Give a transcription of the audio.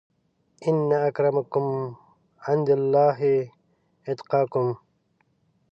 ان اکرمکم عندالله اتقاکم